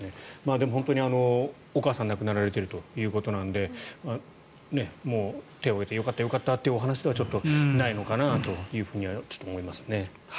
でも、本当にお母さんが亡くなられているということなので手を上げてよかったよかったという話ではないのかなと思いますね。